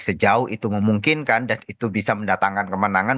sejauh itu memungkinkan dan itu bisa mendatangkan kemenangan